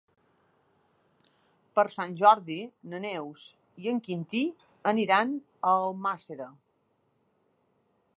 Per Sant Jordi na Neus i en Quintí aniran a Almàssera.